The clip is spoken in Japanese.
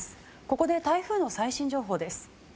ここで台風の最新情報です。